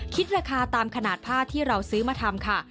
คิดราคาตามขนาดผ้าที่เราซื้อมาทำค่ะ